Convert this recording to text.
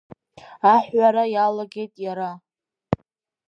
Аҳәҳәара иалагеит иара.